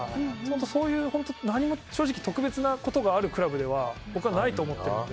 そういう、何も正直特別なことがあるクラブでは僕はないと思っているので。